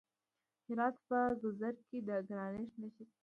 د هرات په ګذره کې د ګرانیټ نښې شته.